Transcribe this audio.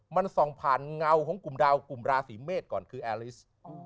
มันส่องผ่านเงาของกลุ่มดาวกลุ่มราศีเมษก่อนคือแอลิส